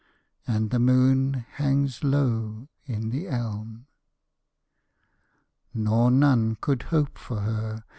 And the moon hangs low in the elm. Nor none could hope for her.